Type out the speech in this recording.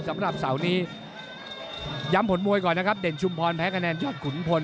สำหรับเสาร์นี้ย้ำผลมวยก่อนนะครับเด่นชุมพรแพ้คะแนนยอดขุนพล